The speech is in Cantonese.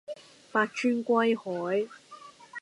百川歸海